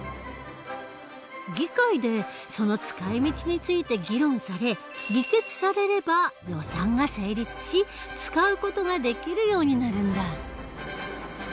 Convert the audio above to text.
議会でその使い道について議論され議決されれば予算が成立し使う事ができるようになるんだ。